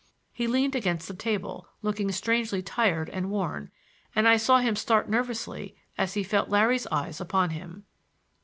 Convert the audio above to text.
He leaned against the table, looking strangely tired and worn, and I saw him start nervously as he felt Larry's eyes on him.